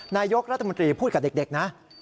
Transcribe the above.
นายกรัฐมนตรีพูดกับเด็กนะ